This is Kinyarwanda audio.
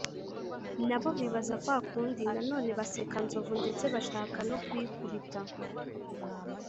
na bo babibaza kwa kundi, na none baseka nzovu, ndetse bashaka no kuyikubita.